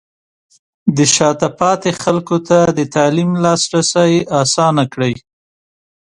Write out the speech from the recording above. د شاته پاتې خلکو ته د تعلیم لاسرسی اسانه کړئ.